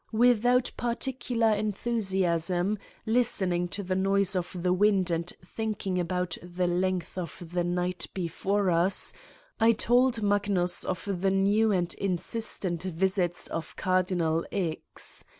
Without particular enthusiasm, listening to the 108 Satan's Diary noise of the wind and thinking about the length of the night before us, I told Magnus of the new and insistent visits of Cardinal X.